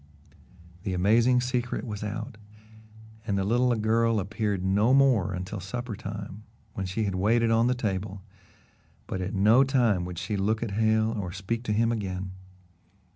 The amazing secret was out, and the little girl appeared no more until supper time, when she waited on the table, but at no time would she look at Hale or speak to him again.